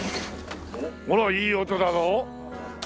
ほらいい音だろ？